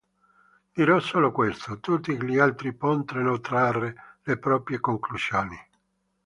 Dirò solo questo, tutti gli altri potranno trarre le proprie conclusioni".